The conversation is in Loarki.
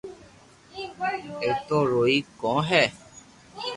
ايتو روئي ڪون ھي